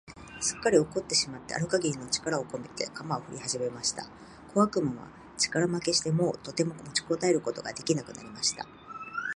すっかり怒ってしまってある限りの力をこめて、鎌をふりはじました。小悪魔は力負けして、もうとても持ちこたえることが出来なくなりました。